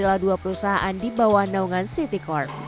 salah dua perusahaan di bawah naungan citicorp